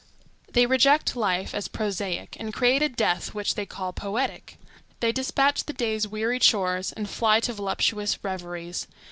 They reject life as prosaic, and create a death which they call poetic. They despatch the day's weary chores, and fly to voluptuous reveries.